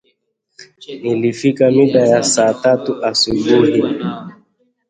Nilfika mida ya saa tatu asubuhi